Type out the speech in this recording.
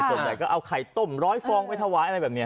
ส่วนใหญ่ก็เอาไข่ต้มร้อยฟองไว้เท่าไหร่อะไรแบบนี้ค่ะ